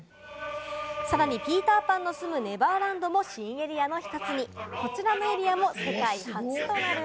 さらにピーター・パンの住むネバーランドも新エリアの１つに。